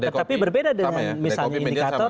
tetapi berbeda dengan misalnya indikator